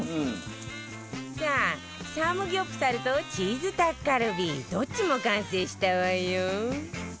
さあサムギョプサルとチーズタッカルビどっちも完成したわよ